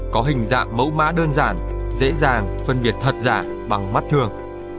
có hình dạng mẫu mã đơn giản dễ dàng phân biệt thật giả bằng mắt thường